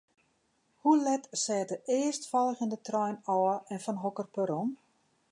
Hoe let set de earstfolgjende trein ôf en fan hokker perron?